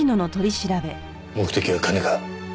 目的は金か？